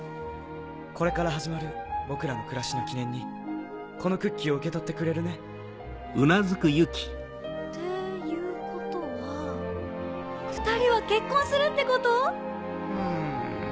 これから始まる僕らの暮らしの記念にこのクッキーを受け取ってくれるね？っていうことは２人は結婚するってこと⁉ん。